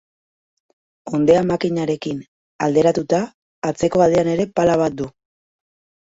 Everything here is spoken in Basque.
Hondeamakinarekin alderatuta, atzeko aldean ere pala bat du.